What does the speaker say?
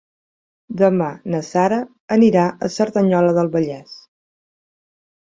Demà na Sara anirà a Cerdanyola del Vallès.